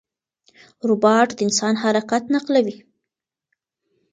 روباټ د انسان حرکت نقلوي.